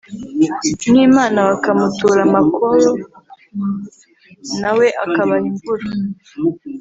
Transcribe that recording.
nk'imana bakamutura amakoro na we akabaha imvura